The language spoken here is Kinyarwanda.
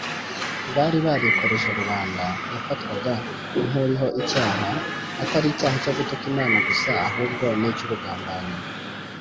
bari barikoreje rubanda yafatwaga nk’uriho icyaha, atari icyaha cyo gutuka Imana gusa, ahubwo n’icy’ubugambanyi